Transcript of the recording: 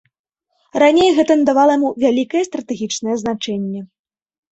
Раней гэта надавала яму вялікае стратэгічнае значэнне.